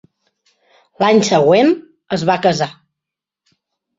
L'any següent, es va casar.